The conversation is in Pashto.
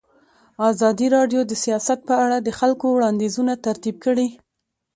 ازادي راډیو د سیاست په اړه د خلکو وړاندیزونه ترتیب کړي.